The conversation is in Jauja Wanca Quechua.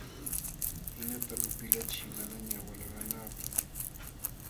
Ninata upilachiy manañaq walananapaq.